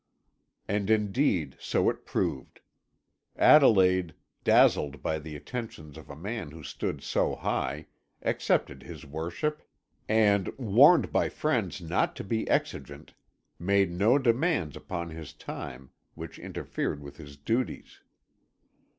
And indeed so it proved. Adelaide, dazzled by the attentions of a man who stood so high, accepted his worship, and, warned by friends not to be exigent, made no demands upon his time which interfered with his duties.